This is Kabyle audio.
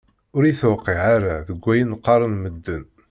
Ur yi-tewqiε ara deg ayen qqaren medden.